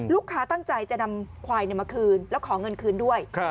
ตั้งใจจะนำควายมาคืนแล้วขอเงินคืนด้วย